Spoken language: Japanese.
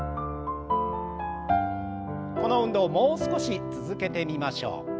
この運動をもう少し続けてみましょう。